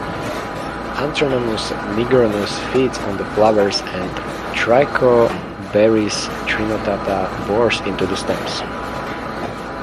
"Anthonomus nigrinus" feeds on the flowers, and "Trichobaris trinotata" bores into the stems.